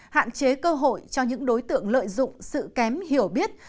hạn chế cơ hội cho những đối tượng lợi dụng sự kém hiểu biết